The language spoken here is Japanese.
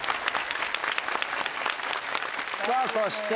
さぁそして？